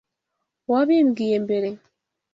Wabimbwiye mbere.